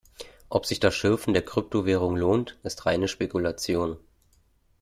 Ob sich das Schürfen der Kryptowährung lohnt, ist reine Spekulation.